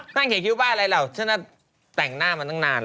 นั่งเขียนคิ้วบ้าอะไรเหรอฉันน่าแต่งหน้ามาตั้งนานแล้ว